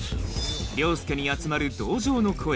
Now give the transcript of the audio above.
凌介に集まる同情の声